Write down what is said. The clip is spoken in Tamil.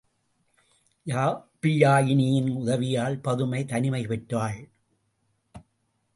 யாப்பியாயினியின் உதவியால் பதுமை தனிமை பெற்றாள்.